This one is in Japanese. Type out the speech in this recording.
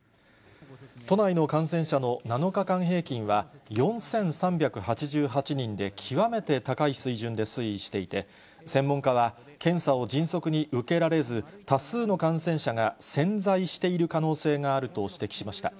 都内の感染者の７日平均は、４３８８人で極めて高い水準で推移していて、専門家は、検査を迅速に受けられず、多数の感染者が潜在している可能性があると指摘しました。